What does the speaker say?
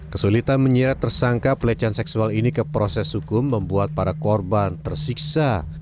kesulitan menyeret tersangka pelecehan seksual ini ke proses hukum membuat para korban tersiksa